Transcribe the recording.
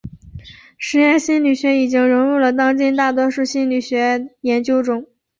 实验心理学已经融入了当今的大多数心理学研究中。